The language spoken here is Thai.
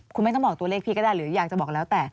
คุณไม่ต้องบอกตัวเลขพี่ก็ได้หรืออยากจะบอกแล้วแต่